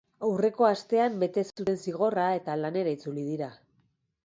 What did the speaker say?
Aurreko astean bete zuten zigorra eta lanera itzuli dira.